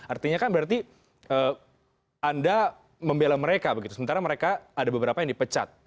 artinya kan berarti anda membela mereka begitu sementara mereka ada beberapa yang dipecat